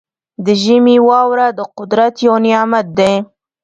د ژمي واوره د قدرت یو نعمت دی.